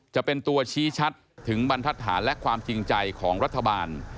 จะเป็นตัวชี้ชัดถึงบรรทัศน์และความจริงใจของรัฐบาล